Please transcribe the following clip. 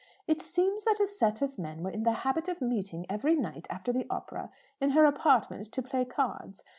"It seems that a set of men were in the habit of meeting every night after the opera in her apartment to play cards.